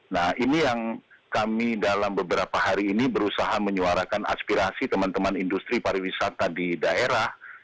nah ini yang kami dalam beberapa hari ini berusaha menyuarakan aspirasi teman teman industri pariwisata di daerah